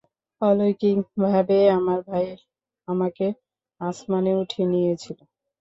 অলৌকিকভাবে, আমার ভাই আমাকে আসমানে উঠিয়ে নিয়েছিল।